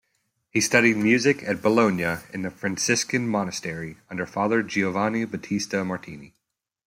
He studied music at Bologna in the Franciscan Monastery, under Father Giovanni Battista Martini.